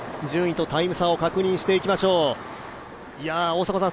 順位とタイム差を確認していきましょう。